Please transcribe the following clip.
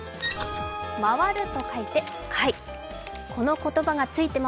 回ると書いて「回」。